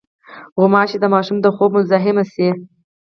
غوماشې د ماشوم د خوب مزاحمې شي.